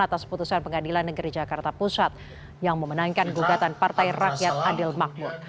atas putusan pengadilan negeri jakarta pusat yang memenangkan gugatan partai rakyat adil makmur